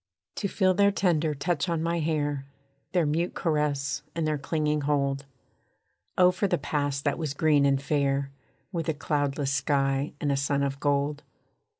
To feel their tender touch on my hair, Their mute caress, and their clinging hold; Oh for the past that was green and fair, With a cloudless sky, and a sun of gold!